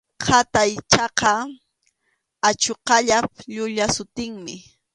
Qataychaqa achuqallap llulla sutinmi.